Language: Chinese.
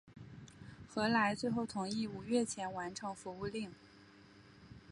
何来最后同意五月前完成服务令。